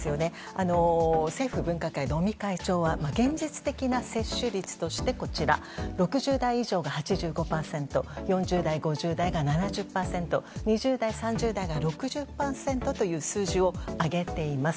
政府分科会の尾身会長は現実的な接種率として６０代以上が８５％４０代、５０代が７０％２０代、３０代が６０％という数字を挙げています。